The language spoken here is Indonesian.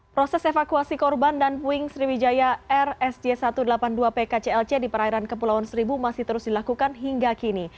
proses evakuasi korban dan puing sriwijaya rsj satu ratus delapan puluh dua pkclc di perairan kepulauan seribu masih terus dilakukan hingga kini